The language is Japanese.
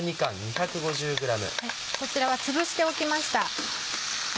こちらはつぶしておきました。